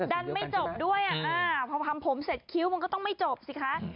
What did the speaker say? ดันไม่จบด้วยพอทำผมเสร็จคิ้วมันก็ต้องไม่จบสิคะ